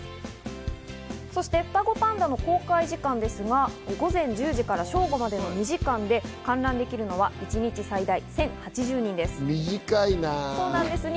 そして双子パンダの公開時間ですが午前１０時から正午までの２時間で、観覧できるのは一日最大１０８０人です。